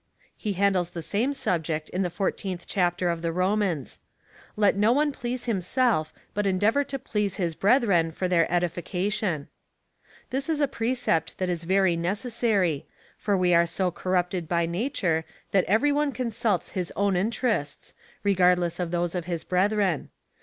He handles the same sub ject in the 14th Chaj^ter of the Romans. Let no one please himself, hut endeavour to please his brethren for their edifica tion. This is a precept that is very necessaiy, for we are so corrupted by nature, that every one consults his own inter ests, regardless of those of his brethren.